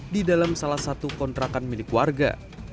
di dalam salah satu kontrakan milik warga